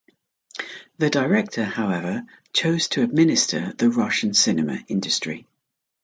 The director, however, chose to administer the Russian cinema industry.